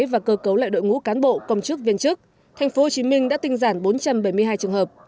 và cơ cấu lại đội ngũ cán bộ công chức viên chức tp hcm đã tinh giản bốn trăm bảy mươi hai trường hợp